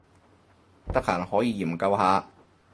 得閒可以研究下